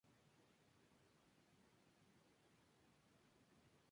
Sketch cómico en el programa Anabel.